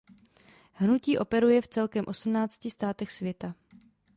Hnutí operuje v celkem osmnácti státech světa.